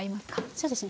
そうですね。